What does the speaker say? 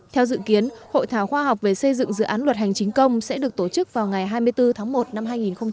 theo dự kiến hội thảo khoa học về xây dựng dự án luật hành chính công sẽ được tổ chức vào ngày hai mươi bốn tháng một năm hai nghìn hai mươi